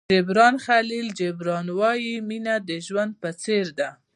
جبران خلیل جبران وایي مینه د ژوند په څېر ده.